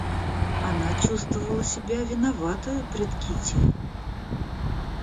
Она чувствовала себя виноватою пред Кити.